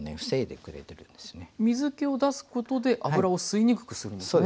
水けを出すことで油を吸いにくくするんですね。